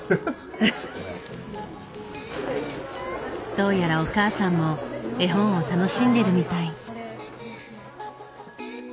どうやらお母さんも絵本を楽しんでるみたい。